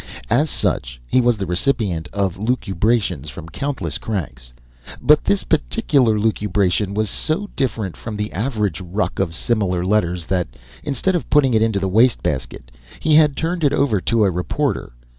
As such, he was the recipient of lucubrations from countless cranks; but this particular lucubration was so different from the average ruck of similar letters that, instead of putting it into the waste basket, he had turned it over to a reporter.